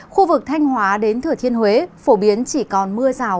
khu vực thanh hóa đến thừa thiên huế phổ biến chỉ còn mưa rào